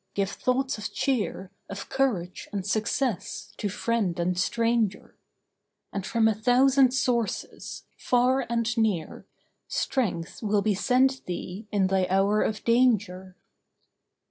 Give thoughts of cheer, Of courage and success, to friend and stranger. And from a thousand sources, far and near, Strength will be sent thee in thy hour of danger.